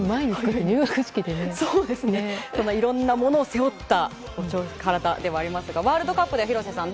いろんなものを背負った体ではありますがワールドカップで、廣瀬さん